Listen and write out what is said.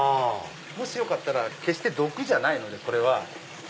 もしよかったら決して毒じゃないのでこれは。